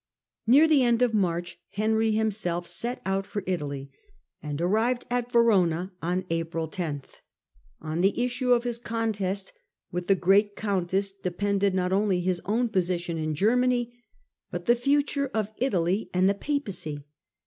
Near the end of March Henry himself set out for Italy, and arrived at Verona on April 10. On the issue The emperor of his coutost with the great countess depended goes to Italy* iv. »»• r * 1090 not only his own position in Grermany, but the future of Italy and the papacy.